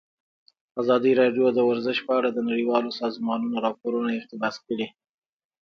ازادي راډیو د ورزش په اړه د نړیوالو سازمانونو راپورونه اقتباس کړي.